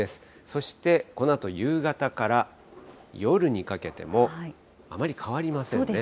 そして、このあと夕方から夜にかけても、あまり変わりません。